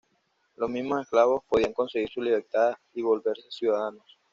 Los mismos esclavos, podían conseguir su libertad y volverse ciudadanos.